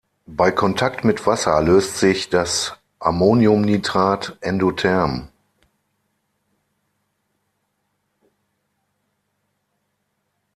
Bei Kontakt mit Wasser löst sich das Ammoniumnitrat endotherm.